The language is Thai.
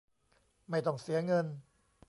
ไม่ต้องเสียเงิน